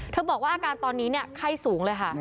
เธอบอกว่าอาการตอนนี้เนี่ยไข้สูงเลยค่ะ